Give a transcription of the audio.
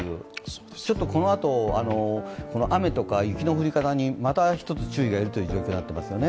ちょっとこのあと、雨とか雪の降り方にまた一つ注意がいるという状況になっていますよね。